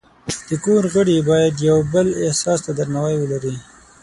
د کور غړي باید د یو بل احساس ته درناوی ولري.